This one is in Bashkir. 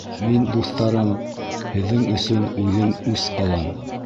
— Мин, дуҫтарым, һеҙҙең өсөн үҙем үс алам.